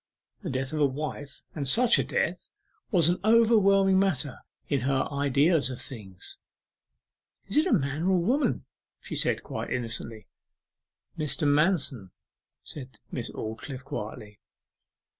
The death of a wife, and such a death, was an overwhelming matter in her ideas of things. 'Is it a man or woman?' she said, quite innocently. 'Mr. Manston,' said Miss Aldclyffe quietly.